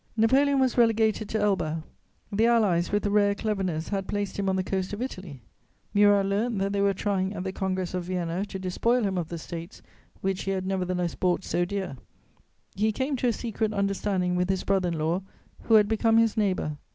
Napoleon was relegated to Elba; the Allies, with rare cleverness, had placed him on the coast of Italy. Murat learnt that they were trying at the Congress of Vienna to despoil him of the States which he had nevertheless bought so dear; he came to a secret understanding with his brother in law, who had become his neighbour.